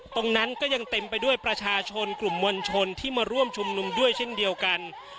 ก็ยังเต็มไปด้วยประชาชนกลุ่มมวลชนที่มาร่วมชุมนุมด้วยเช่นเดียวกัน